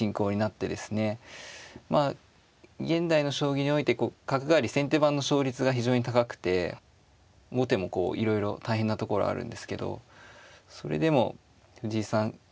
まあ現代の将棋において角換わり先手番の勝率が非常に高くて後手もこういろいろ大変なところあるんですけどそれでも藤井さん